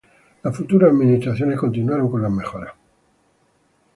Las futuras administraciones continuaron con las mejoras.